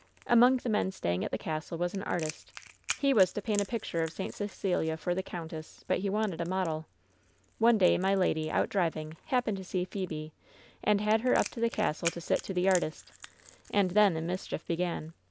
"Among the men staying at the castle was an artist. He was to paint a picture of St. Cecelia for the countess, but he wanted a model. One day my lady, out driving, happened to see Phebe, and had her up to the castle to sit to the artist. And then the mischief began.